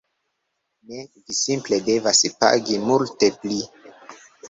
Ne, vi simple devas pagi multe pli